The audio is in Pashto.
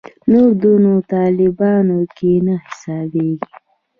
نور نو طالبانو کې نه حسابېږي.